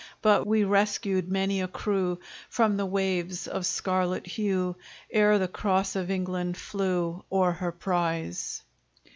But we rescued many a crew From the waves of scarlet hue, Ere the cross of England flew O'er her prize.